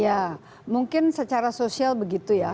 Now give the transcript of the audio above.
ya mungkin secara sosial begitu ya